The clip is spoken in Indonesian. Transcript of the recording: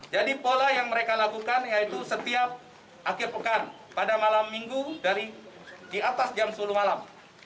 jadi pola yang mereka lakukan yaitu setiap akhir pekan pada malam minggu dari di atas jam sepuluh malam